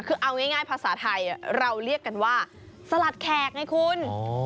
คือเอาง่ายภาษาไทยเราเรียกกันว่าสลัดแขกไงคุณ